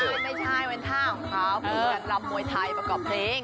ไม่ใช่ไม่ใช่เป็นท่ารองเท้าเพื่อรับหมวยไทยประกอบเพลง